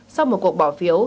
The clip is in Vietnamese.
sau một cuộc bỏ phiếu